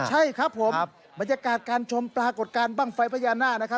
ใช่ครับผมบรรยากาศการชมปรากฏการณ์บ้างไฟพญานาคนะครับ